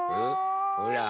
ほら！